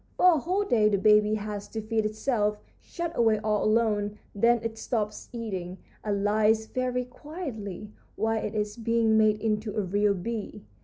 For a whole day the baby has to feed itself, shut away all alone; then it stops eating, and lies very quietly while it is being made into a real bee.